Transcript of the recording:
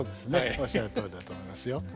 おっしゃるとおりだと思いますよ。